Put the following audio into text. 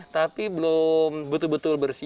tapi belum betul betul bersih